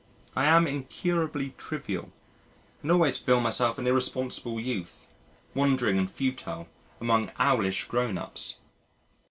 I am incurably trivial and always feel myself an irresponsible youth, wondering and futile, among owlish grown ups.